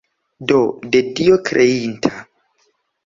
Do, de Dio kreinta!